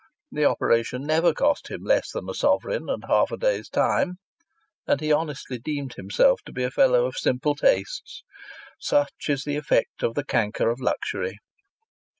The operation never cost him less than a sovereign and half a day's time ... And he honestly deemed himself to be a fellow of simple tastes! Such is the effect of the canker of luxury.